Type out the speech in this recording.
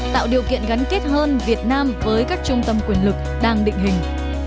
tạo điều kiện gắn kết hơn việt nam với các trung tâm quyền lực đang định hình